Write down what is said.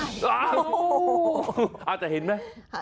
อ้าวอาจจะเห็นไหม